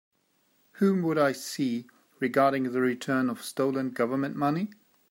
Whom would I see regarding the return of stolen Government money?